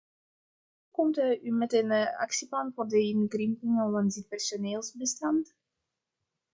Wanneer komt u met een actieplan voor de inkrimping van dit personeelsbestand?